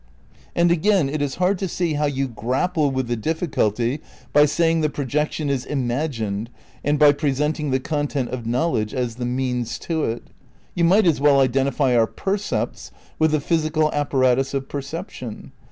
And again it is hard to see how you '' grapple '' with the difficulty by saying the projection is imagined and by presenting the content of knowledge as the means to it. You might as well identify our percepts with the physical apparatus of perception.